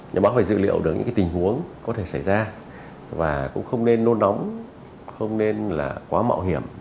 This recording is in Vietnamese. nhà báo phải dự liệu được những tình huống có thể xảy ra và cũng không nên nôn nóng không nên là quá mạo hiểm